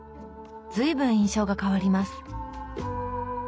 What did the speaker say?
随分印象が変わります。